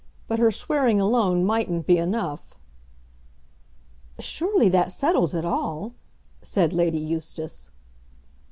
But her swearing alone mightn't be enough." "Surely that settles it all," said Lady Eustace.